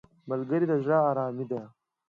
ملګری د زړه آرامي دی